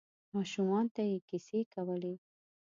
ماشومانو ته یې کیسې کولې.